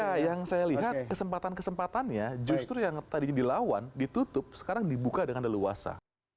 ya yang saya lihat kesempatan kesempatannya justru yang tadinya dilawan ditutup sekarang dibuka dengan leluasa